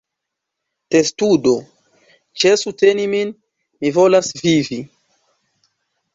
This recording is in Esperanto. Testudo: "Ĉesu teni min! Mi volas vivi!"